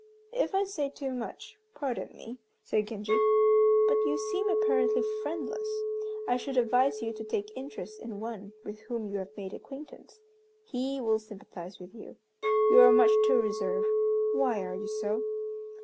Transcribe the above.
"If I say too much, pardon me," said Genji, "but you seem apparently friendless. I should advise you to take interest in one with whom you have made acquaintance. He will sympathize with you. You are much too reserved. Why are you so?